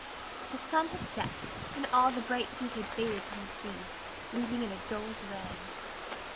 The sun had set, and all the bright hues had faded from the sea, leaving it a dull gray.